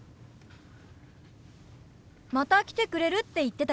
また来てくれるって言ってたよ。